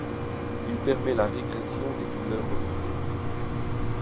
Il permet la régression des douleurs osseuses.